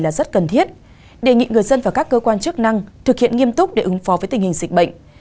là rất cần thiết đề nghị người dân và các cơ quan chức năng thực hiện nghiêm túc để ứng phó với tình hình dịch bệnh